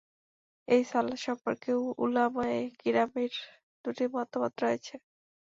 এই সালাত সম্পর্কে উলামায়ে কিরামের দুইটি মতামত রয়েছে।